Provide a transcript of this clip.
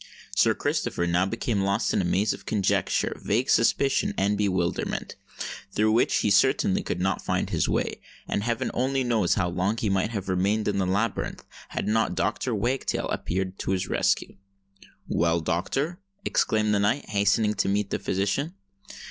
Sir Christopher now became lost in a maze of conjecture, vague suspicion, and bewilderment, through which he certainly could not find his way; and heaven only knows how long he might have remained in the labyrinth, had not Dr. Wagtail appeared to his rescue. "Well, doctor?" exclaimed the knight, hastening to meet the physician.